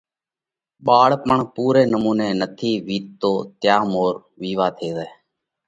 ٻاۯاپڻ پُورئہ نمُونئہ نٿِي وِيتتو تيا مور وِيوا ٿي زائھ۔